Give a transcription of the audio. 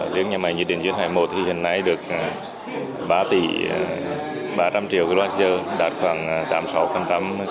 việc nhà máy nhiệt điện duyên hải một hiện nay được ba tỷ ba trăm linh triệu kwh đạt khoảng tám mươi sáu kế hoạch